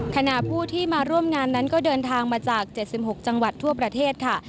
ขณะผู้ที่มาร่วมงานนั้นก็เดินทางมาจาก๗๖จังหวัดทั่วประเทศค่ะ